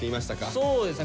そうですね